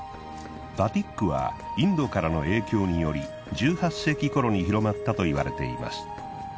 バティックはインドからの影響により１８世紀ころに広まったといわれています。